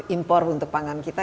impor untuk panganan